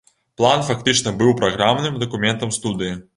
План фактычна быў праграмным дакументам студыі.